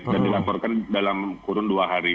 dan dilaporkan dalam kurun dua hari